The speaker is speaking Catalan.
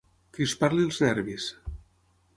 Crispar-li els nervis.